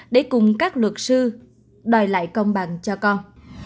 để cùng các luật sư đòi lại công bằng cho con